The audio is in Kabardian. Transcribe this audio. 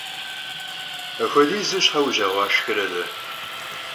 Apxuedizu şhe vujeğuaşşxere - t'e?